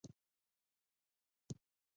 د پیړیو په اوږدو کې د مکې ښار.